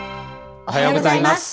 おはようございます。